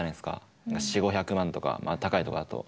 ４００５００万とかまあ高いとこだと。